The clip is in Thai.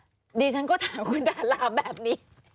ดิฉันก็ถามคุณดาราแบบนี้